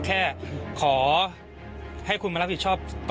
มีความรู้สึกว่าเสียใจ